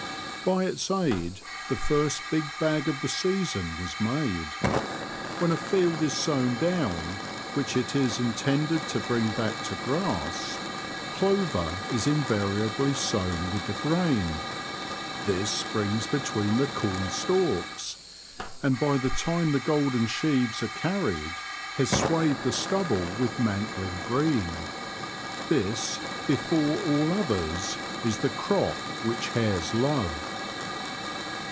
By its aid the first big bag of the season was made. When a field is sown down, which it is intended to bring back to grass, clover is invariably sown E2 58 The Confessions of a ^oache7\ with the grain. This springs between the corn stalks, and by the time the golden sheaves are carried, has swathed the stubble with mantling green. This, before all others, is the crop which hares love.